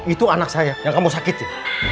itu anak saya yang kamu sakitin